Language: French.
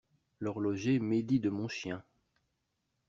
L'horloger médit de mon chien.